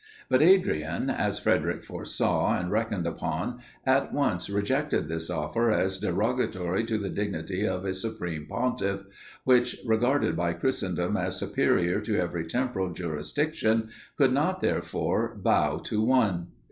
But Adrian, as Frederic foresaw and reckoned upon, at once rejected this offer, as derogatory to the dignity of a supreme Pontiff, which, regarded by christendom as superior to every temporal jurisdiction, could not therefore bow to one.